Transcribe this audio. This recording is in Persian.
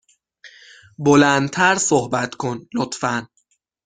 بلند تر صحبت کن، لطفا.